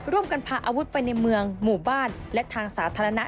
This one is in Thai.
พาอาวุธไปในเมืองหมู่บ้านและทางสาธารณะ